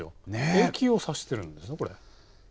駅をさしてるんですね、これ。